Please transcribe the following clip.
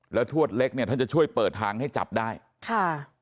แล้วทวดเล็กเนี่ยท่านจะช่วยเปิดทางให้จับได้ค่ะ